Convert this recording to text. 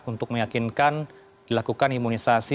untuk meyakinkan dilakukan imunisasi